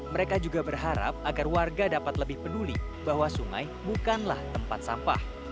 mereka juga berharap agar warga dapat lebih peduli bahwa sungai bukanlah tempat sampah